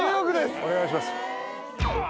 お願いします。